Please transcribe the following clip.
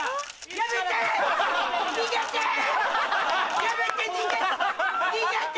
やめて！